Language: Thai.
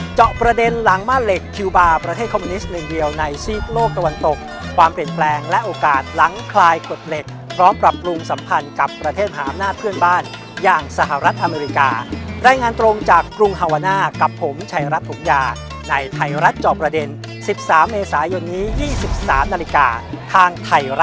เจาะประเด็นหลังม่าเหล็กคิวบาร์ประเทศคอมมิวนิสต์หนึ่งเดียวในซีกโลกตะวันตกความเปลี่ยนแปลงและโอกาสหลังคลายกฎเหล็กพร้อมปรับปรุงสัมพันธ์กับประเทศหาอำนาจเพื่อนบ้านอย่างสหรัฐอเมริการายงานตรงจากกรุงฮาวาน่ากับผมชัยรัฐถมยาในไทยรัฐจอบประเด็น๑๓เมษายนนี้๒๓นาฬิกาทางไทยรัฐ